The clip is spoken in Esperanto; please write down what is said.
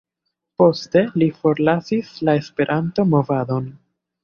Poste li forlasis la Esperanto-movadon.